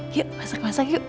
yuk masak masak yuk